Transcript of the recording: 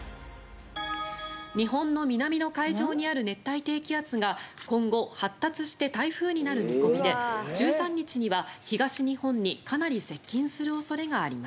日本の南の海上にある熱帯低気圧が今後発達して台風になる見込みで１３日には東日本にかなり接近する恐れがあります。